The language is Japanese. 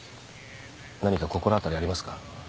何か心当たりありますか？